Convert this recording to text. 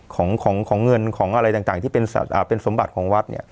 ของเงินของอะไรต่างที่เป็นสมบัติของวัดเนี่ย